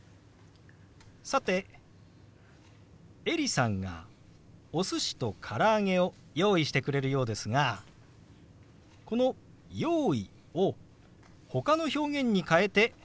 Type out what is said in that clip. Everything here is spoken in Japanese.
さてエリさんがお寿司と唐揚げを用意してくれるようですがこの「用意」をほかの表現に代えてもっと具体的に表すこともできますよ。